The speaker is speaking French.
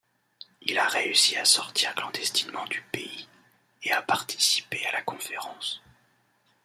Il a réussi à sortir clandestinement du pays et à participer à la conférence.